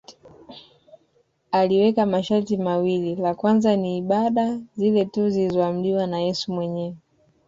Aliweka masharti mawili la kwanza ni ibada zile tu zilizoamriwa na Yesu mwenyewe